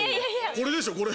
これですよこれ。